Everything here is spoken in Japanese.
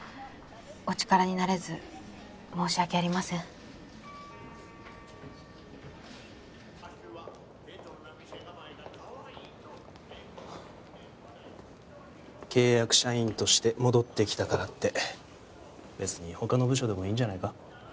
お力になれず申し訳ありません店構えがカワイイと契約社員として戻ってきたからって別に他の部署でもいいんじゃないか？